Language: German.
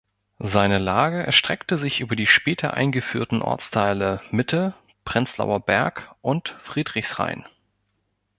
Seine Lage erstreckte sich über die später eingeführten Ortsteile Mitte, Prenzlauer Berg und Friedrichshain.